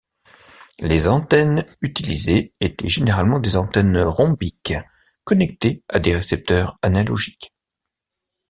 Les antennes utilisées étaient généralement des antennes rhombiques, connectées à des récepteurs analogiques.